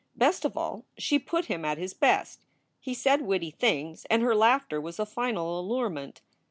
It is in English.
Best of all, she put him at his best. He said witty things, and her laughter was a final allurement.